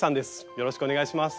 よろしくお願いします。